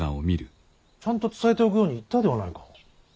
ちゃんと伝えておくように言ったではないか。